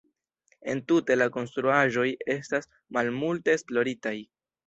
Entute la konstruaĵoj estas malmulte esploritaj.